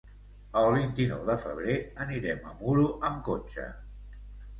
El vint-i-nou de febrer anirem a Muro amb cotxe.